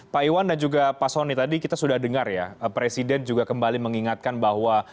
pak iwan dan juga pak soni tadi kita sudah dengar ya presiden juga kembali mengingatkan bahwa